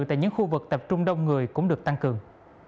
tại những khu vực tập trung đông người cũng được tăng cường